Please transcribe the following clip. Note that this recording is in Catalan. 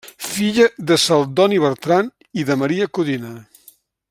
Filla de Celdoni Bertran i de Maria Codina.